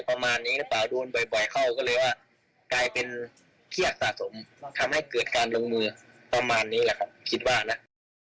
ทำให้เกิดการลงมือประมาณนี้แหละค่ะคิดว่านะ